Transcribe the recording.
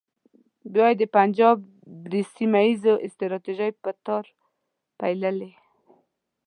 بیا یې د پنجاب د سیمه ییزې ستراتیژۍ په تار پېیلې.